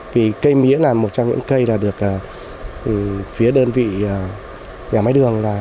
vì cây mía là một trong những cây được phía đơn vị nhà máy đường